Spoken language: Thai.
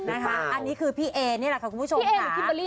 อันนี้คือพี่เอนี่แหละค่ะคุณผู้ชม